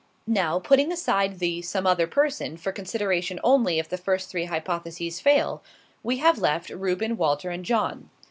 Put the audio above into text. Now, putting aside the 'some other person' for consideration only if the first three hypotheses fail, we have left, Reuben, Walter, and John.